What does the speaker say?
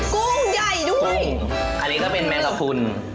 กุ้งใหญ่ด้วยอันนี้ก็เป็นแมงกระพุน